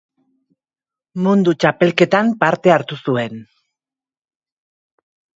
Mundu Txapelketan parte hartu zuen.